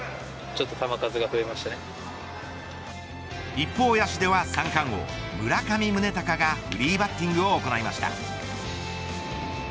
一方、野手では三冠王、村上宗隆がフリーバッティングを行いました。